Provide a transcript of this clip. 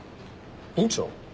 院長？